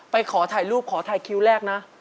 ขอถ่ายรูปขอถ่ายคิวแรกนะ